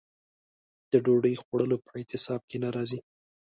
د ډوډۍ خوړلو په اعتصاب کې نه راځي.